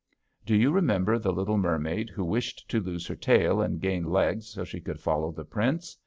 Do you remember the little mermaid who wished to lose her tail and gain legs so she could follow the prince?